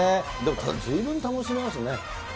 ずいぶん楽しめますよね。